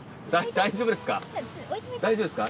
大丈夫ですか？